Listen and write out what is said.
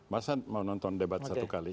masa mau nonton debat satu kali